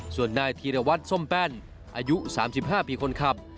ส่วนนายธีรวัตรส้มแป้นอายุ๓๕ปีคนขับ